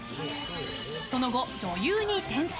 その後、女優に転身。